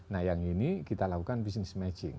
nah yang ini kita lakukan business matching